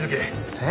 えっ？